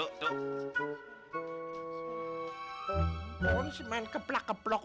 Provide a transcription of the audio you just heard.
oh ini sih main keplak keplok